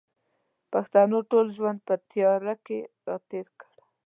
پښتنو ټول ژوند په تیاره کښې را تېر کړ